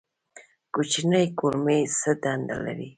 کوچنۍ کولمې څه دنده لري؟